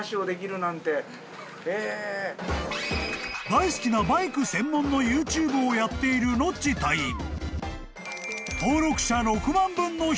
［大好きなバイク専門のＹｏｕＴｕｂｅをやっているノッチ隊員］え